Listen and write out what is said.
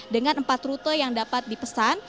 dengan empat rute yang dapat dipesan